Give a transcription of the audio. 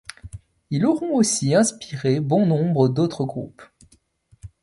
Il auront aussi inspiré bon nombre d'autres groupes.